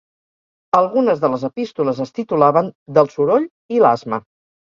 Algunes de les epístoles es titulaven "Del soroll" i "L'asma".